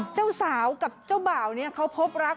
เจ้าสาวกับเจ้าบ่าวนี้เขาพบรัก